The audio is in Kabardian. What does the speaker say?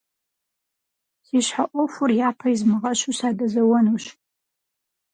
Си щхьэ Ӏуэхур япэ измыгъэщу, садэзэуэнущ.